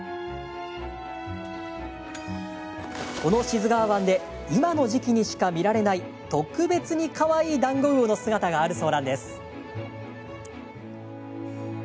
この志津川湾で今の時期にしか見られない特別にかわいいダンゴウオの姿があるそうなんです。